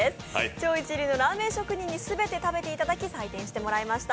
超一流のラーメン職人に全て食べていただき採点していただきました。